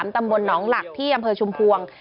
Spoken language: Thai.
ตำบลหนองหลักที่อำเภอชุมพวง